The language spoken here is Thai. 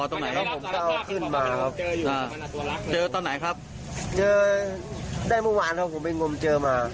อ่าแล้วแล้วน้องมันบอกว่าเราไปขโมยมา